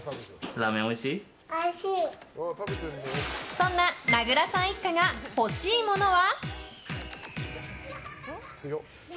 そんな名倉さん一家が欲しいものは？